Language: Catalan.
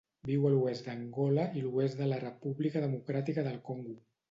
Viu a l'oest d'Angola i l'oest de la República Democràtica del Congo.